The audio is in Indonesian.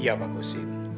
iya pak kusin